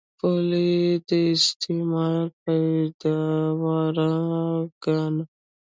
پولې یې د استعمار پیداوار ګاڼه.